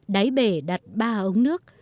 đáy bể đặt ba ống nước